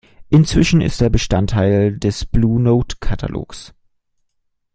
Inzwischen ist er Bestandteil des Blue Note-Katalogs.